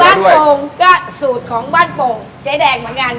บ้านโฟงก็สูตรของบ้านโฟงเจ๊แดงเหมือนกัน